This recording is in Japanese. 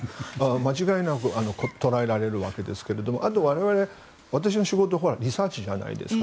間違いなく捕らえられるわけですけどあと、私の仕事はリサーチじゃないですか。